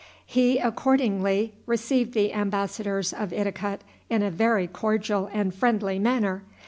He accordingly received the embassadors of Idikut in a very cordial and friendly manner.